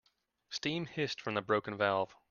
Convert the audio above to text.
Steam hissed from the broken valve.